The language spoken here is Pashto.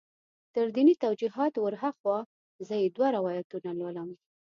تر دیني توجیهاتو ور هاخوا زه یې دوه روایتونه لولم.